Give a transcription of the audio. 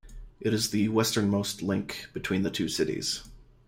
It is the westernmost link between the two cities.